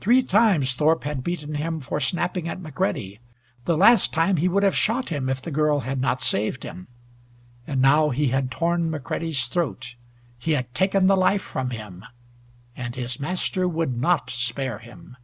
Three times Thorpe had beaten him for snapping at McCready. The last time he would have shot him if the girl had not saved him. And now he had torn McCready's throat. He had taken the life from him, and his master would not spare him.